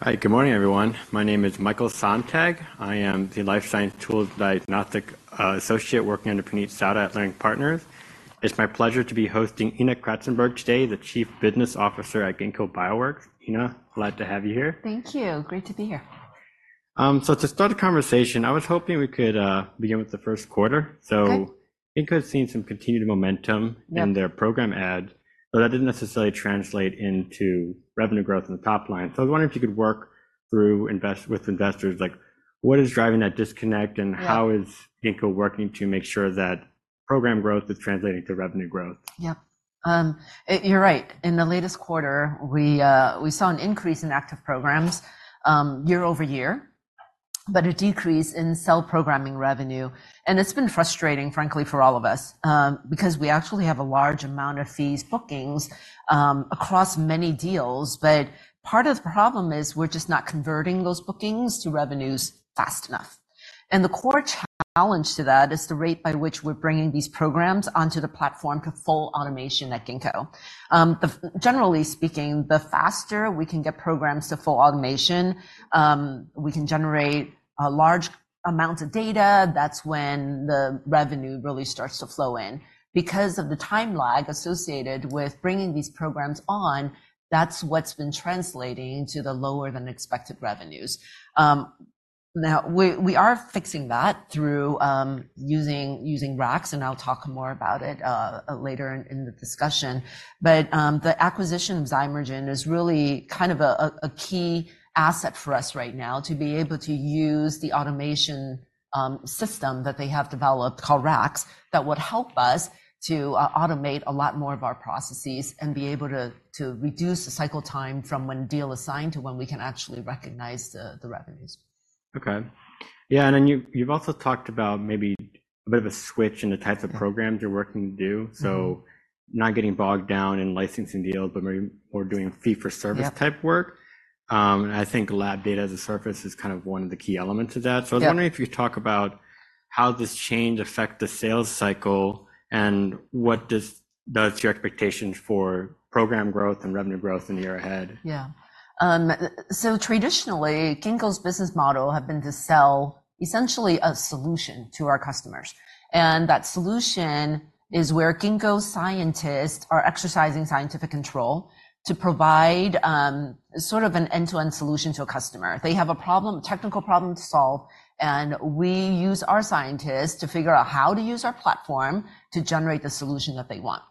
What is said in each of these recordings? Hi, good morning, everyone. My name is Michael Sontag. I am the life science tools and diagnostics associate working under Puneet Souda at Leerink Partners. It's my pleasure to be hosting Ena Cratsenburg today, the Chief Business Officer at Ginkgo Bioworks, glad to have you here. Thank you. Great to be here. To start the conversation, I was hoping we could begin with the Q1. Okay. Ginkgo has seen some continued momentum- Yeah in their program add, but that didn't necessarily translate into revenue growth in the top line. So I was wondering if you could work through with investors, like, what is driving that disconnect- Yeah How is Ginkgo working to make sure that program growth is translating to revenue growth? Yep. You're right. In the latest quarter, we saw an increase in active programs year over year, but a decrease in cell programming revenue. And it's been frustrating, frankly, for all of us, because we actually have a large amount of fees bookings across many deals. But part of the problem is we're just not converting those bookings to revenues fast enough. And the core challenge to that is the rate by which we're bringing these programs onto the platform to full automation at Ginkgo. Generally speaking, the faster we can get programs to full automation, we can generate a large amount of data. That's when the revenue really starts to flow in. Because of the time lag associated with bringing these programs on, that's what's been translating to the lower than expected revenues. Now we are fixing that through using RACs, and I'll talk more about it later in the discussion. But the acquisition of Zymergen is really kind of a key asset for us right now to be able to use the automation system that they have developed, called RACs, that would help us to automate a lot more of our processes and be able to reduce the cycle time from when deal is signed to when we can actually recognize the revenues. Okay. Yeah, and then you, you've also talked about maybe a bit of a switch in the types of programs- Yeah you're working to do. Mm-hmm. So not getting bogged down in licensing deals, but more, more doing fee for service- Yep -type work. And I think Lab Data as a Service is kind of one of the key elements of that. Yep. I was wondering if you talk about how this change affect the sales cycle, and what does your expectations for program growth and revenue growth in the year ahead? Yeah. So traditionally, Ginkgo's business model have been to sell essentially a solution to our customers, and that solution is where Ginkgo scientists are exercising scientific control to provide sort of an end-to-end solution to a customer. They have a problem, technical problem to solve, and we use our scientists to figure out how to use our platform to generate the solution that they want.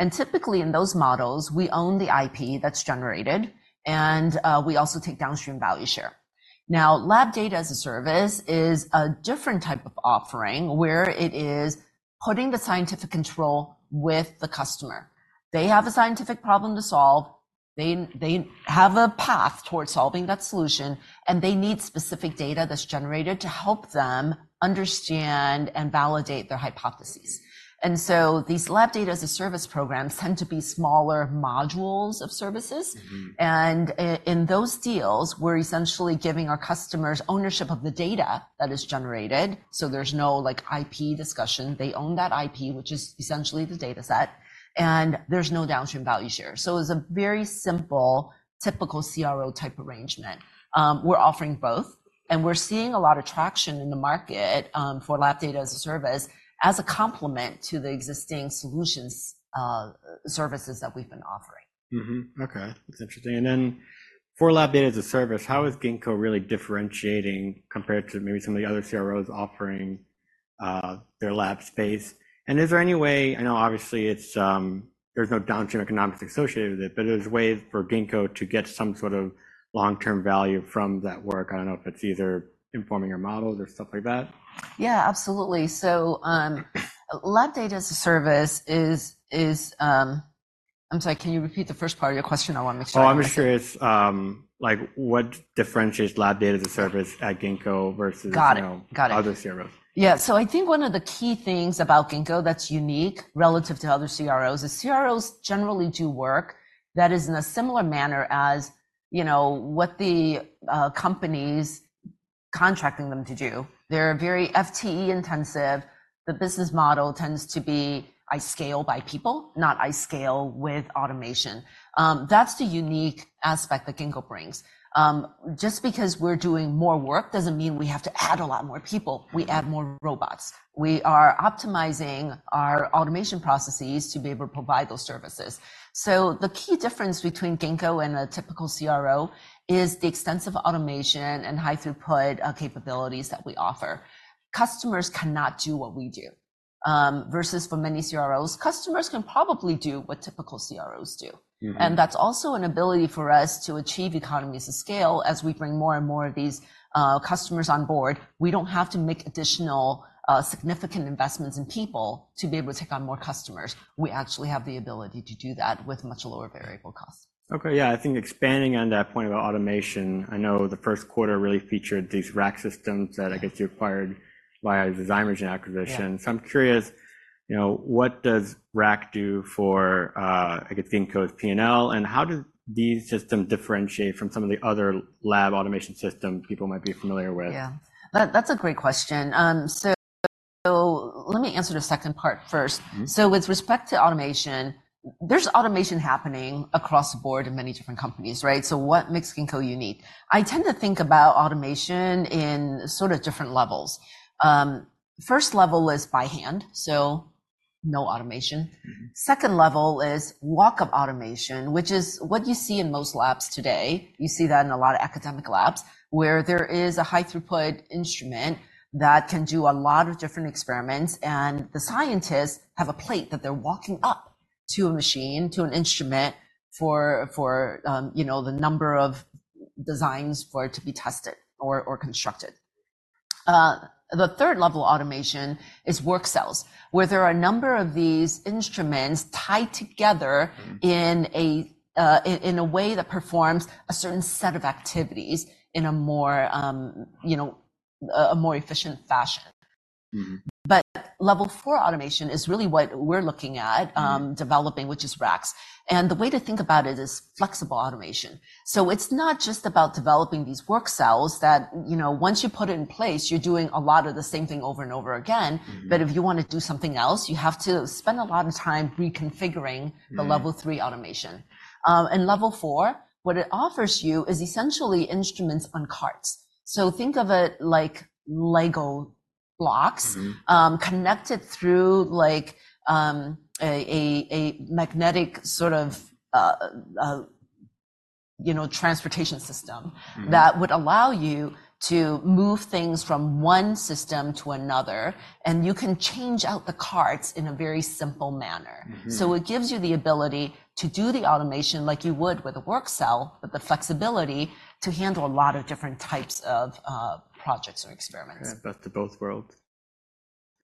And typically, in those models, we own the IP that's generated, and we also take downstream value share. Now, Lab Data as a Service is a different type of offering, where it is putting the scientific control with the customer. They have a scientific problem to solve, they have a path towards solving that solution, and they need specific data that's generated to help them understand and validate their hypotheses. These Lab Data as a Service programs tend to be smaller modules of services. Mm-hmm. In those deals, we're essentially giving our customers ownership of the data that is generated, so there's no, like, IP discussion. They own that IP, which is essentially the data set, and there's no downstream value share. So it's a very simple, typical CRO-type arrangement. We're offering both, and we're seeing a lot of traction in the market for Lab Data as a Service, as a complement to the existing solutions, services that we've been offering. Mm-hmm. Okay, that's interesting. And then for Lab Data as a Service, how is Ginkgo really differentiating compared to maybe some of the other CROs offering their lab space? And is there any way... I know obviously, it's, there's no downstream economics associated with it, but is there ways for Ginkgo to get some sort of long-term value from that work? I don't know if it's either informing your models or stuff like that. Yeah, absolutely. So, Lab Data as a Service is—I'm sorry, can you repeat the first part of your question? I want to make sure I- Oh, I'm curious, like, what differentiates Lab Data as a Service at Ginkgo versus- Got it... you know, other CROs? Got it. Yeah, so I think one of the key things about Ginkgo that's unique relative to other CROs is CROs generally do work that is in a similar manner as, you know, what the company's contracting them to do. They're very FTE intensive. The business model tends to be, "I scale by people," not, "I scale with automation." That's the unique aspect that Ginkgo brings. Just because we're doing more work doesn't mean we have to add a lot more people. We add more robots. We are optimizing our automation processes to be able to provide those services. So the key difference between Ginkgo and a typical CRO is the extensive automation and high throughput capabilities that we offer. Customers cannot do what we do versus for many CROs, customers can probably do what typical CROs do. Mm-hmm. And that's also an ability for us to achieve economies of scale. As we bring more and more of these customers on board, we don't have to make additional significant investments in people to be able to take on more customers. We actually have the ability to do that with much lower variable costs. Okay, yeah. I think expanding on that point about automation, I know the Q1 really featured these RACs systems that I guess you acquired via the Zymergen acquisition. Yeah. I'm curious, you know, what does RACs do for, I guess, Ginkgo's P&L, and how do these systems differentiate from some of the other lab automation system people might be familiar with? Yeah. That's a great question. So let me answer the second part first. Mm-hmm. So with respect to automation, there's automation happening across the board in many different companies, right? So what makes Ginkgo unique? I tend to think about automation in sort of different levels. First level is by hand, so no automation. Mm-hmm. Second level is walk-up automation, which is what you see in most labs today. You see that in a lot of academic labs, where there is a high-throughput instrument that can do a lot of different experiments, and the scientists have a plate that they're walking up to a machine, to an instrument for, you know, the number of designs for it to be tested or constructed. The third level of automation is work cells, where there are a number of these instruments tied together- Mm-hmm... in a way that performs a certain set of activities in a more, you know, more efficient fashion. Mm-hmm. But level four automation is really what we're looking at- Mm-hmm developing, which is RACs. And the way to think about it is flexible automation. So it's not just about developing these work cells that, you know, once you put it in place, you're doing a lot of the same thing over and over again. Mm-hmm. If you want to do something else, you have to spend a lot of time reconfiguring- Mm-hmm -the level three automation. And level four, what it offers you is essentially instruments on carts. So think of it like Lego blocks- Mm-hmm... connected through like, a magnetic sort of, you know, transportation system- Mm-hmm that would allow you to move things from one system to another, and you can change out the carts in a very simple manner. Mm-hmm. So it gives you the ability to do the automation like you would with a work cell, but the flexibility to handle a lot of different types of projects or experiments. Yeah, best of both worlds.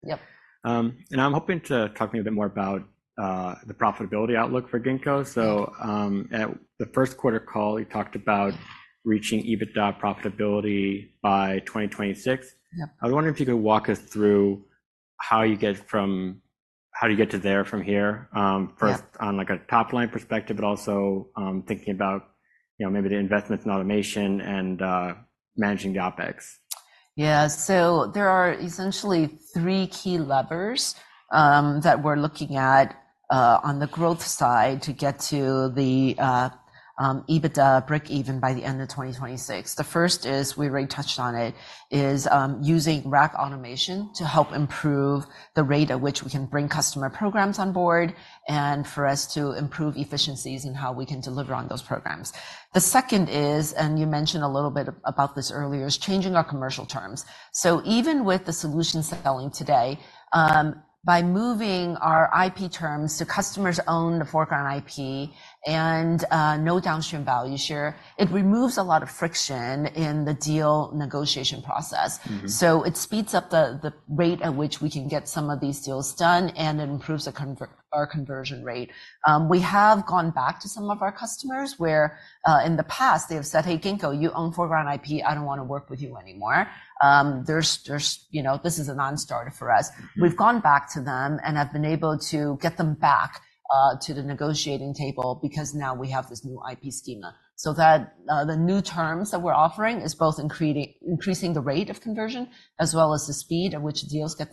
Yep. I'm hoping to talk a bit more about the profitability outlook for Ginkgo. Yeah. At the Q1 call, you talked about reaching EBITDA profitability by 2026. Yep. I was wondering if you could walk us through how you get from -- how do you get to there from here? First- Yeah... on, like, a top-line perspective, but also, thinking about, you know, maybe the investments in automation and managing the OpEx. Yeah. So there are essentially three key levers that we're looking at on the growth side to get to the EBITDA breakeven by the end of 2026. The first is, we already touched on it, is using RACs automation to help improve the rate at which we can bring customer programs on board, and for us to improve efficiencies in how we can deliver on those programs. The second is, and you mentioned a little bit about this earlier, is changing our commercial terms. So even with the solution selling today, by moving our IP terms to customers own the foreground IP and no downstream value share, it removes a lot of friction in the deal negotiation process. Mm-hmm. So it speeds up the rate at which we can get some of these deals done, and it improves our conversion rate. We have gone back to some of our customers, where in the past they have said: "Hey, Ginkgo, you own foreground IP, I don't want to work with you anymore. There's, you know—this is a non-starter for us. Mm-hmm. We've gone back to them and have been able to get them back to the negotiating table, because now we have this new IP schema. So that the new terms that we're offering is both increasing the rate of conversion, as well as the speed at which deals get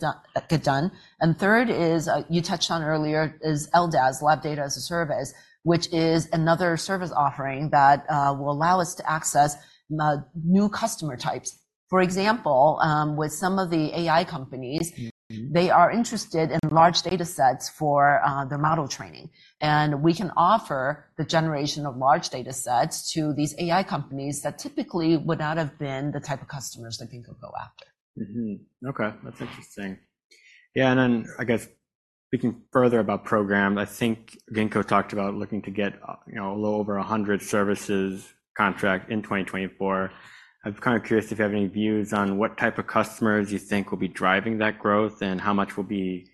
done. And third is, you touched on earlier, is LDaaS, Lab Data as a Service, which is another service offering that will allow us to access new customer types. For example, with some of the AI companies- Mm-hmm ... they are interested in large datasets for their model training. We can offer the generation of large datasets to these AI companies that typically would not have been the type of customers that Ginkgo go after. Mm-hmm. Okay, that's interesting. Yeah, and then I guess speaking further about program, I think Ginkgo talked about looking to get, you know, a little over 100 services contract in 2024. I'm kind of curious if you have any views on what type of customers you think will be driving that growth, and how much will be,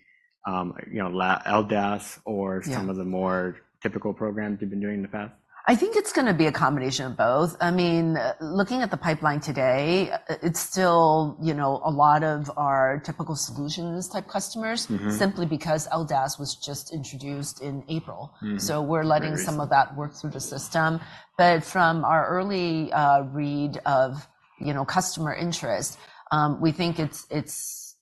you know, LDaaS or- Yeah... some of the more typical programs you've been doing in the past? I think it's going to be a combination of both. I mean, looking at the pipeline today, it's still, you know, a lot of our typical solutions-type customers- Mm-hmm... simply because LDaaS was just introduced in April. Mm-hmm. So we're letting some- Very... of that work through the system. But from our early read of, you know, customer interest, we think it's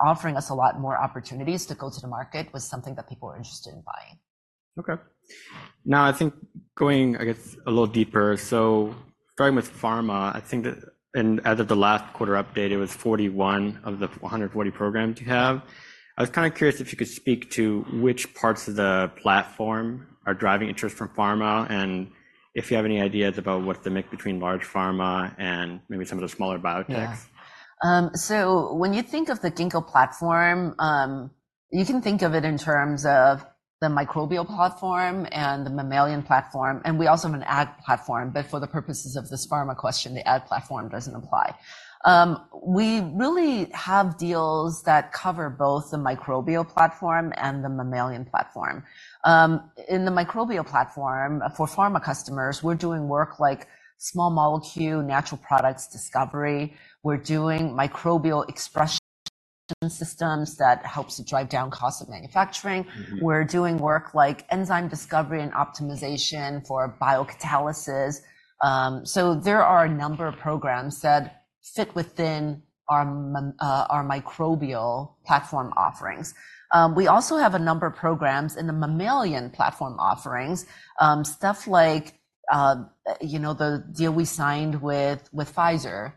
offering us a lot more opportunities to go to the market with something that people are interested in buying. Okay. Now, I think going, I guess, a little deeper, so starting with pharma, I think that-- and as of the last quarter update, it was 41 of the 100 programs you have. I was kind of curious if you could speak to which parts of the platform are driving interest from pharma, and if you have any ideas about what's the mix between large pharma and maybe some of the smaller biotechs? Yeah. So when you think of the Ginkgo platform, you can think of it in terms of the microbial platform and the mammalian platform, and we also have an ag platform. But for the purposes of this pharma question, the ag platform doesn't apply. We really have deals that cover both the microbial platform and the mammalian platform. In the microbial platform, for pharma customers, we're doing work like small molecule, natural products discovery. We're doing microbial expression systems that helps to drive down costs of manufacturing. Mm-hmm. We're doing work like enzyme discovery and optimization for biocatalysis. So there are a number of programs that fit within our microbial platform offerings. We also have a number of programs in the mammalian platform offerings. Stuff like, you know, the deal we signed with Pfizer,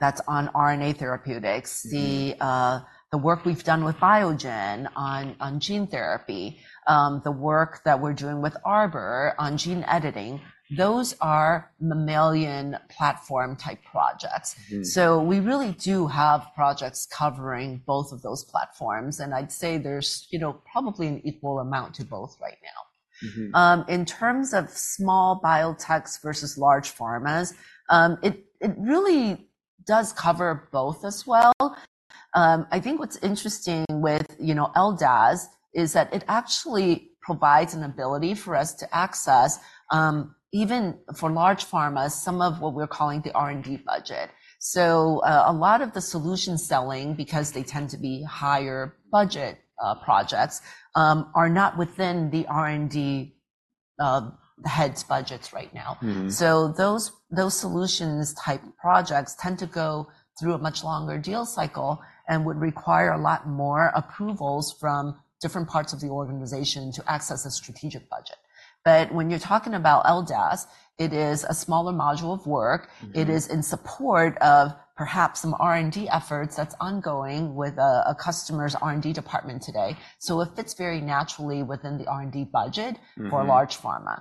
that's on RNA therapeutics. Mm-hmm. The work we've done with Biogen on gene therapy, the work that we're doing with Arbor on gene editing, those are mammalian platform-type projects. Mm. So we really do have projects covering both of those platforms, and I'd say there's, you know, probably an equal amount to both right now. Mm-hmm. In terms of small biotechs versus large pharmas, it really does cover both as well. I think what's interesting with, you know, LDaaS, is that it actually provides an ability for us to access, even for large pharmas, some of what we're calling the R&D budget. So, a lot of the solution selling, because they tend to be higher budget projects, are not within the R&D heads' budgets right now. Mm-hmm. So those solutions type projects tend to go through a much longer deal cycle and would require a lot more approvals from different parts of the organization to access a strategic budget. But when you're talking about LDaaS, it is a smaller module of work. Mm-hmm. It is in support of perhaps some R&D efforts that's ongoing with, a customer's R&D department today. So it fits very naturally within the R&D budget- Mm-hmm... for large pharma.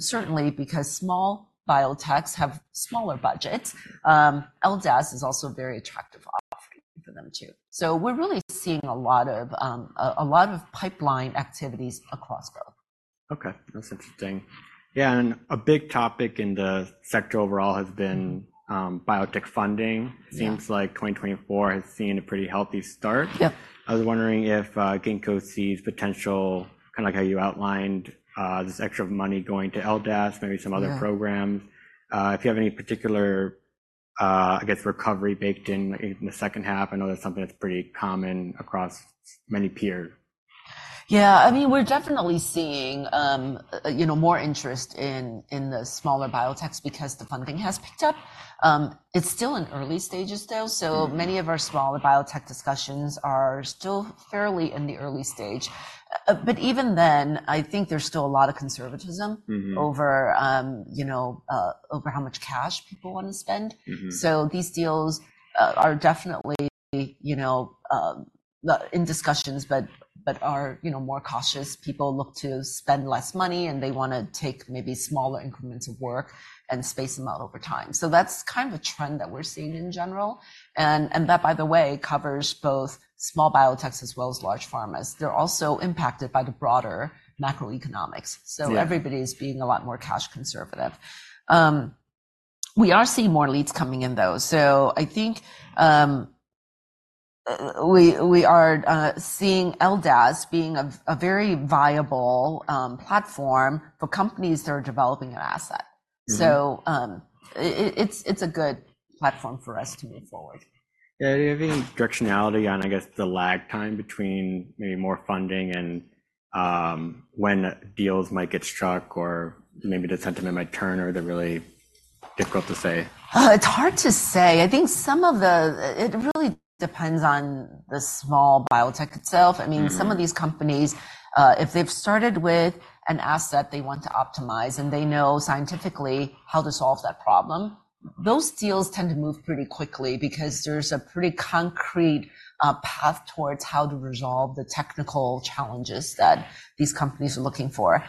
Certainly because small biotechs have smaller budgets, LDaaS is also a very attractive offering for them, too. So we're really seeing a lot of pipeline activities across both. Okay, that's interesting. Yeah, and a big topic in the sector overall has been, biotech funding. Yeah. Seems like 2024 has seen a pretty healthy start. Yeah. I was wondering if Ginkgo sees potential, kind of like how you outlined, this extra money going to LDaaS, maybe some other programs? Yeah. If you have any particular, I guess, recovery baked in, in the second half? I know that's something that's pretty common across many peer. Yeah. I mean, we're definitely seeing, you know, more interest in the smaller biotechs because the funding has picked up. It's still in early stages, though, so many of our smaller biotech discussions are still fairly in the early stage. But even then, I think there's still a lot of conservatism- Mm-hmm... over, you know, over how much cash people want to spend. Mm-hmm. So these deals are definitely, you know, not in discussions, but, but are, you know, more cautious. People look to spend less money, and they want to take maybe smaller increments of work and space them out over time. So that's kind of a trend that we're seeing in general, and that, by the way, covers both small biotechs as well as large pharmas. They're also impacted by the broader macroeconomics. Yeah. So everybody's being a lot more cash conservative. We are seeing more leads coming in, though. So I think we are seeing LDaaS being a very viable platform for companies that are developing an asset. Mm-hmm. So, it's a good platform for us to move forward. Yeah, any directionality on, I guess, the lag time between maybe more funding and, when deals might get struck, or maybe the sentiment might turn, or they're really difficult to say? It's hard to say. I think some of the-- it really depends on the small biotech itself. Mm-hmm. I mean, some of these companies, if they've started with an asset they want to optimize, and they know scientifically how to solve that problem, those deals tend to move pretty quickly because there's a pretty concrete path towards how to resolve the technical challenges that these companies are looking for.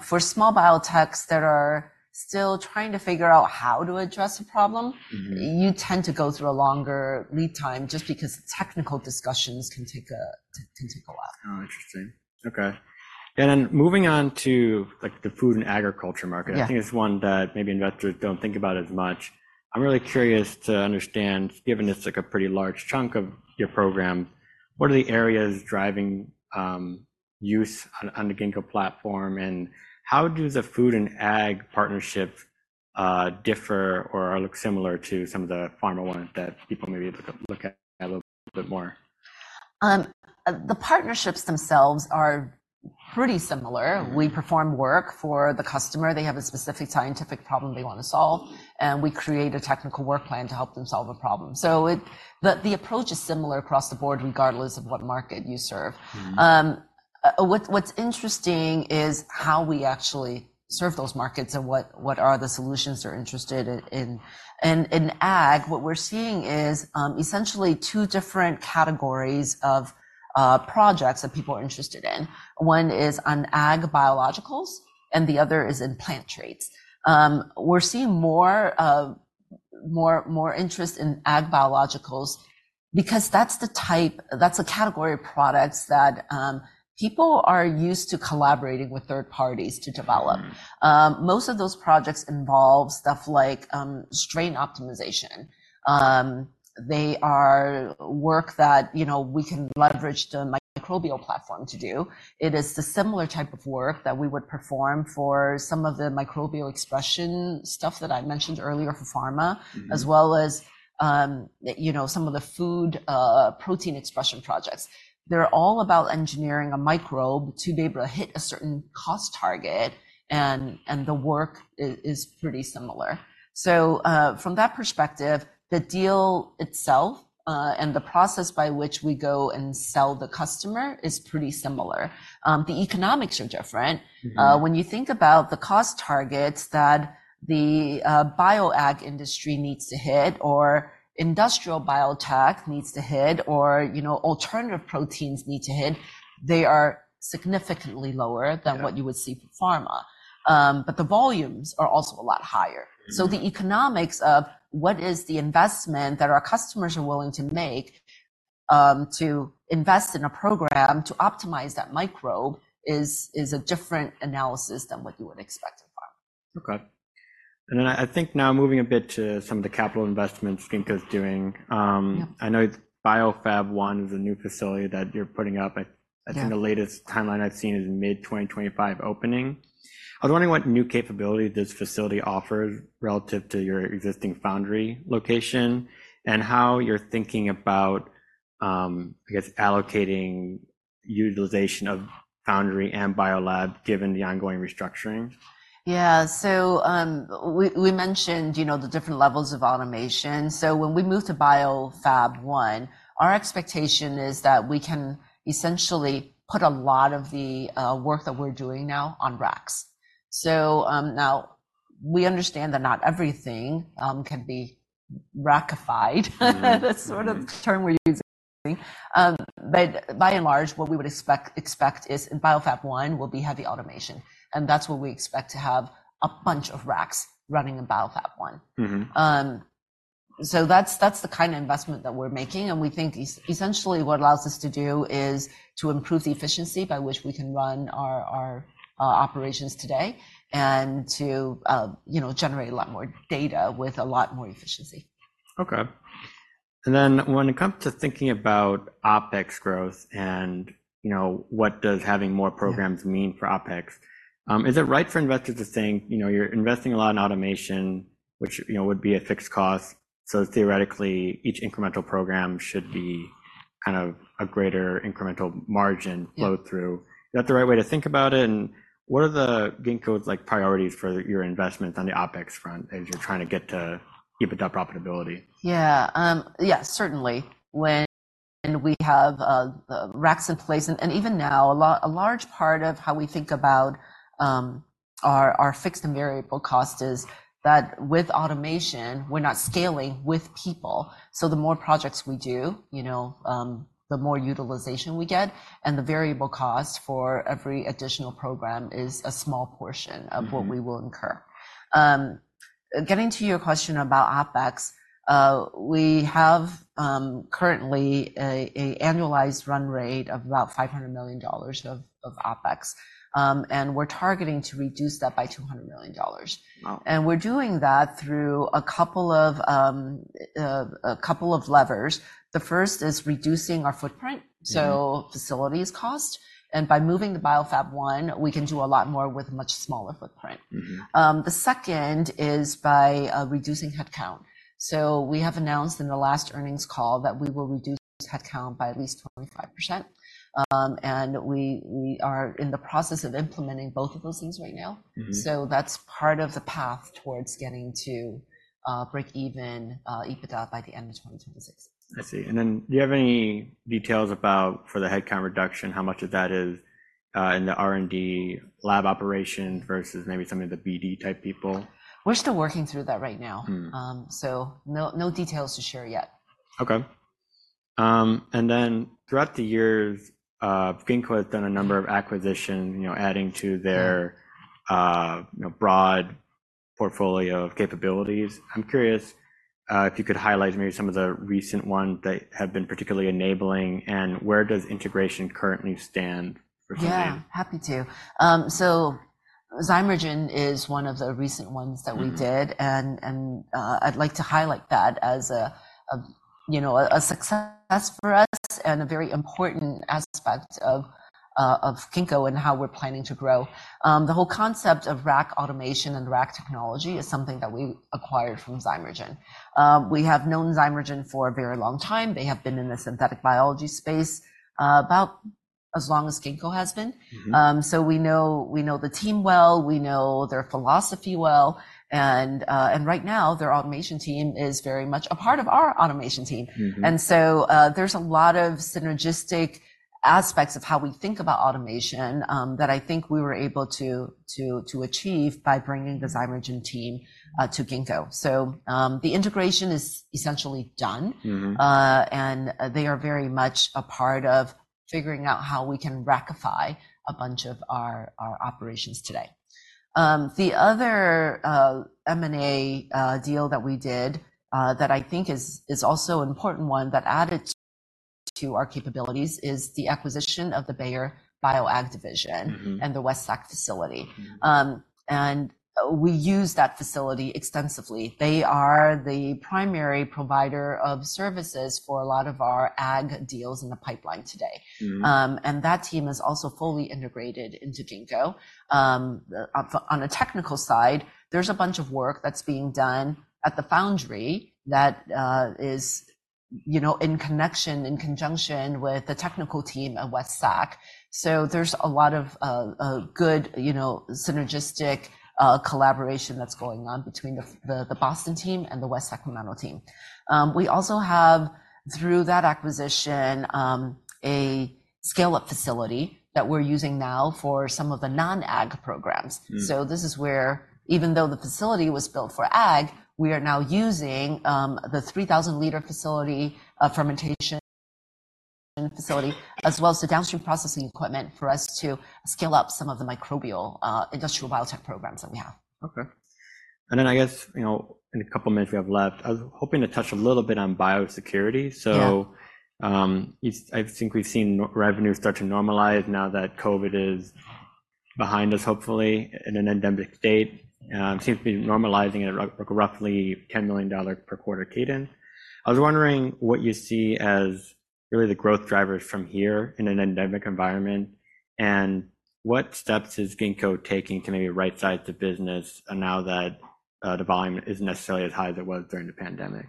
For small biotechs that are still trying to figure out how to address a problem- Mm-hmm... you tend to go through a longer lead time just because technical discussions can take a while. Oh, interesting. Okay. And then moving on to, like, the food and agriculture market- Yeah... I think it's one that maybe investors don't think about as much. I'm really curious to understand, given it's, like, a pretty large chunk of your program, what are the areas driving use on the Ginkgo platform, and how do the food and ag partnerships differ or look similar to some of the pharma ones that people may be able to look at a little bit more? The partnerships themselves are pretty similar. Mm-hmm. We perform work for the customer. They have a specific scientific problem they want to solve, and we create a technical work plan to help them solve a problem. So the approach is similar across the board, regardless of what market you serve. Mm-hmm. What's interesting is how we actually serve those markets and what are the solutions they're interested in. In Ag, what we're seeing is essentially two different categories of projects that people are interested in. One is on Ag biologicals, and the other is in plant traits. We're seeing more interest in Ag biologicals, because that's the type, that's a category of products that people are used to collaborating with third parties to develop. Most of those projects involve stuff like strain optimization. They are work that, you know, we can leverage the microbial platform to do. It is the similar type of work that we would perform for some of the microbial expression stuff that I mentioned earlier for pharma, as well as, you know, some of the food protein expression projects. They're all about engineering a microbe to be able to hit a certain cost target, and the work is pretty similar. So, from that perspective, the deal itself, and the process by which we go and sell the customer is pretty similar. The economics are different. Mm-hmm. When you think about the cost targets that the bioag industry needs to hit, or industrial biotech needs to hit, or, you know, alternative proteins need to hit, they are significantly lower- Yeah... than what you would see for pharma. But the volumes are also a lot higher. Mm-hmm. The economics of what is the investment that our customers are willing to make to invest in a program to optimize that microbe is a different analysis than what you would expect in pharma. Okay. And then I think now moving a bit to some of the capital investments Ginkgo is doing. Yeah. I know BioFab1 is a new facility that you're putting up. Yeah. I think the latest timeline I've seen is mid-2025 opening. I was wondering what new capability this facility offers relative to your existing foundry location, and how you're thinking about, I guess, allocating utilization of foundry and biolab, given the ongoing restructuring. Yeah. So, we mentioned, you know, the different levels of automation. So when we move to BioFab1 our expectation is that we can essentially put a lot of the work that we're doing now on RACs. So, now we understand that not everything can be rackified, Mm-hmm, mm-hmm. That's sort of the term we're using. But by and large, what we would expect is in BioFab1, we'll be heavy automation, and that's where we expect to have a bunch of RACs running in BioFab1. Mm-hmm. So that's the kind of investment that we're making, and we think essentially what allows us to do is to improve the efficiency by which we can run our operations today, and to you know generate a lot more data with a lot more efficiency. Okay. And then when it comes to thinking about OpEx growth and, you know, what does having more programs- Yeah... mean for OpEx? Is it right for investors to think, you know, you're investing a lot in automation, which, you know, would be a fixed cost, so theoretically, each incremental program should be kind of a greater incremental margin- Yeah... flow through? Is that the right way to think about it, and what are Ginkgo's like priorities for your investments on the OpEx front as you're trying to get to EBITDA profitability? Yeah. Yeah, certainly. When we have RACs in place, and even now, a large part of how we think about our fixed and variable cost is that with automation, we're not scaling with people. So the more projects we do, you know, the more utilization we get, and the variable cost for every additional program is a small portion- Mm-hmm... of what we will incur. Getting to your question about OpEx, we have currently an annualized run rate of about $500 million of OpEx. And we're targeting to reduce that by $200 million. Wow! We're doing that through a couple of levers. The first is reducing our footprint- Mm-hmm... so facilities cost, and by moving to BioFab1, we can do a lot more with a much smaller footprint. Mm-hmm. The second is by reducing headcount. So we have announced in the last earnings call that we will reduce headcount by at least 25%. And we, we are in the process of implementing both of those things right now. Mm-hmm. So that's part of the path towards getting to breakeven EBITDA by the end of 2026. I see. And then do you have any details about for the headcount reduction, how much of that is, in the R&D lab operation versus maybe some of the BD type people? We're still working through that right now. Mm-hmm. No, no details to share yet. Okay. And then throughout the years, Ginkgo has done a number of acquisition, you know, adding to their- Yeah... you know, broad portfolio of capabilities. I'm curious, if you could highlight maybe some of the recent ones that have been particularly enabling, and where does integration currently stand for Ginkgo? Yeah, happy to. So Zymergen is one of the recent ones that we did. Mm-hmm. I'd like to highlight that as a you know, a success for us, and a very important aspect of Ginkgo and how we're planning to grow. The whole concept of RAC automation and RAC technology is something that we acquired from Zymergen. We have known Zymergen for a very long time. They have been in the synthetic biology space, about as long as Ginkgo has been. Mm-hmm. So we know, we know the team well, we know their philosophy well, and right now, their automation team is very much a part of our automation team. Mm-hmm. And so, there's a lot of synergistic aspects of how we think about automation, that I think we were able to achieve by bringing the Zymergen team to Ginkgo. So, the integration is essentially done. Mm-hmm. and they are very much a part of figuring out how we can rackify a bunch of our operations today. The other M&A deal that we did that I think is also an important one that added to our capabilities is the acquisition of the Bayer BioAg division- Mm-hmm. -and the West Sac facility. We use that facility extensively. They are the primary provider of services for a lot of our ag deals in the pipeline today. Mm-hmm. That team is also fully integrated into Ginkgo. On the technical side, there's a bunch of work that's being done at the Foundry that is, you know, in connection, in conjunction with the technical team at West Sac. So there's a lot of good, you know, synergistic collaboration that's going on between the Boston team and the West Sacramento team. We also have, through that acquisition, a scale-up facility that we're using now for some of the non-ag programs. Mm. So this is where, even though the facility was built for ag, we are now using the 3,000-liter facility, fermentation facility, as well as the downstream processing equipment, for us to scale up some of the microbial, industrial biotech programs that we have. Okay. And then I guess, you know, in the couple minutes we have left, I was hoping to touch a little bit on biosecurity. Yeah. I think we've seen revenue start to normalize now that COVID is behind us, hopefully, in an endemic state. Seems to be normalizing at a roughly $10 million per quarter cadence. I was wondering what you see as really the growth drivers from here in an endemic environment, and what steps is Ginkgo taking to maybe rightsize the business now that the volume isn't necessarily as high as it was during the pandemic?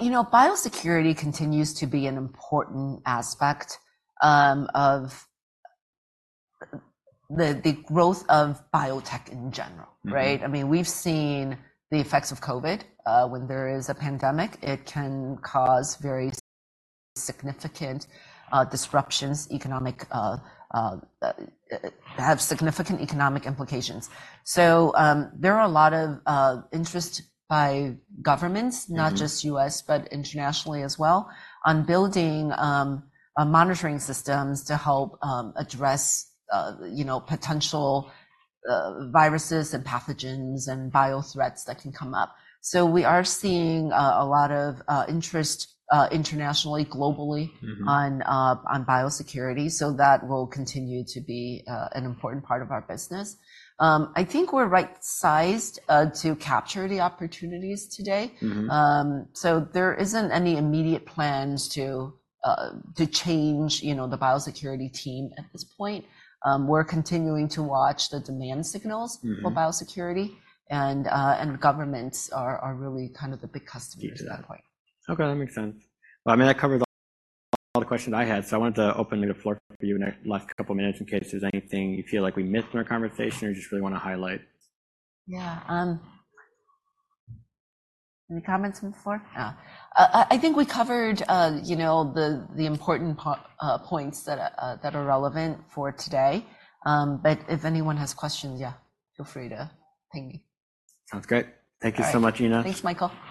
You know, biosecurity continues to be an important aspect of the growth of biotech in general. Mm-hmm. Right? I mean, we've seen the effects of COVID. When there is a pandemic, it can cause very significant disruptions, economic... have significant economic implications. So, there are a lot of interest by governments- Mm-hmm... not just U.S., but internationally as well, on building monitoring systems to help address, you know, potential viruses and pathogens and bio threats that can come up. So we are seeing a lot of interest internationally, globally- Mm-hmm... on biosecurity, so that will continue to be an important part of our business. I think we're right-sized to capture the opportunities today. Mm-hmm. So there isn't any immediate plans to change, you know, the biosecurity team at this point. We're continuing to watch the demand signals- Mm-hmm... for biosecurity, and governments are really kind of the big customers at that point. Okay, that makes sense. I mean, that covers all the questions I had, so I wanted to open the floor for you in the last couple minutes in case there's anything you feel like we missed in our conversation or just really want to highlight. Yeah, any comments before? I think we covered, you know, the important part, points that are relevant for today. But if anyone has questions, yeah, feel free to ping me. Sounds great. All right. Thank you so much, Ena Cratsenburg. Thanks, Michael.